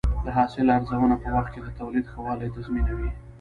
د حاصل ارزونه په وخت کې د تولید ښه والی تضمینوي.